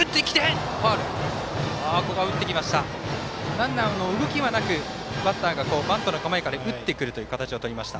ランナーの動きはなくバッターがバントの構えから打ってくるという形をとりました。